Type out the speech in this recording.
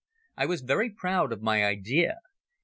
I was very proud of my idea.